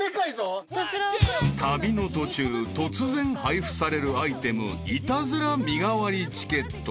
［旅の途中突然配布されるアイテムイタズラ身代わりチケット］